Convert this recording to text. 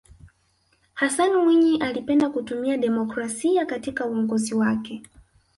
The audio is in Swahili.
hassan mwinyi alipenda kutumia demokrasia katika uongozi wake